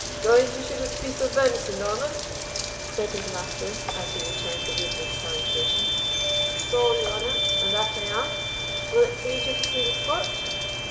"Going to shoot us a piece of venison, Norman?" said his master, as he returned the woodsman's salutation. "Saul, your honour, and that I am. Will it please you to see the sport?"